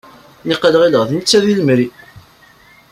Naqal ɣileɣ netta d ilemri.